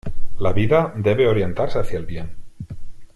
La vida debe orientarse hacia el bien.